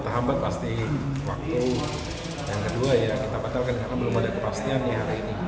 terhambat pasti waktu yang kedua ya kita batalkan karena belum ada kepastian nih hari ini